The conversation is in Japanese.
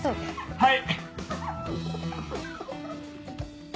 はい。